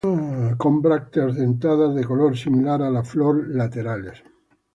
Con brácteas dentadas de color similar a la flor, laterales.